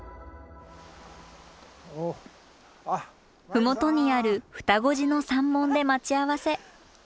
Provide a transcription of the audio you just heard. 麓にある両子寺の山門で待ち合わせ。